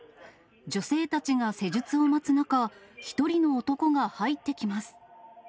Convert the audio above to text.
女性たちが施術を待つ中、１人の男が入ってきます。